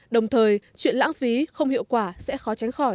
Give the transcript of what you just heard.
đồng thời chuyện lãng phí không hiệu quả sẽ khó tránh khỏi